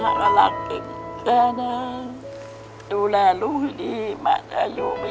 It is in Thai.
มะเขารักแกนะดูแลลูกดีมะจะอยู่ไม่ยืนหรอก